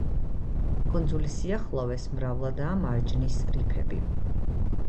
კუნძულის სიახლოვეს მრავლადაა მარჯნის რიფები.